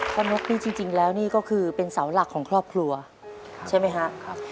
นกนี่จริงแล้วนี่ก็คือเป็นเสาหลักของครอบครัวใช่ไหมครับ